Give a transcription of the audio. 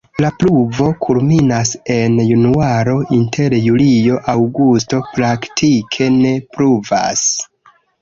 La pluvo kulminas en januaro, inter julio-aŭgusto praktike ne pluvas.